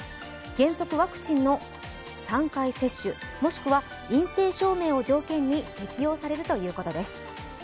原則、ワクチンの３回接種もしくは陰性証明を条件に適用されるということです。